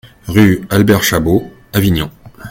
Rue Albert Chabaud, Avignon